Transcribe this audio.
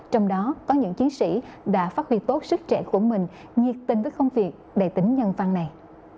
trong đó có những chiến sĩ đã phát huy tốt sức trẻ của mình nhiệt tình với công việc đầy tính nhân văn này